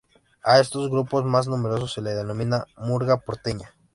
A estos grupos más numerosos se los denomina "murga porteña".